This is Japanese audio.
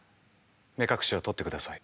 目隠しを取ってください。